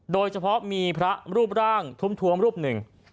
โดยเฉพาะมีพระรูปร่างทวมรูปหนึ่ง